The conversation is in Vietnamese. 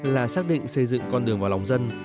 là xác định xây dựng con đường vào lòng dân